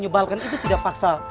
pak pak pak